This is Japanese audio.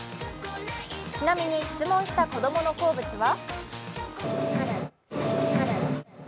ちなみに質問した子供の好物は？